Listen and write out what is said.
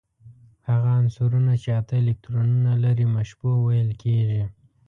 هغه عنصرونه چې اته الکترونونه لري مشبوع ویل کیږي.